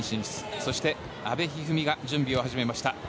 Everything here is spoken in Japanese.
そして、阿部一二三が準備を始めました。